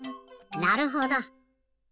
なるほど。